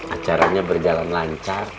acaranya berjalan lancar